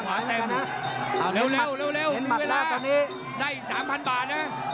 ขวาเต็มขวาเต็มเร็วเร็วเร็วมัดแล้วตอนนี้ได้สามพันบาทน่ะ